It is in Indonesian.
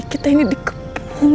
kita ini dikepung